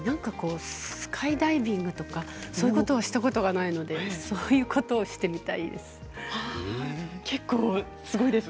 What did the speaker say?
スカイダイビングとかそういうことはしたことがないのでそういうことをしてみたいです。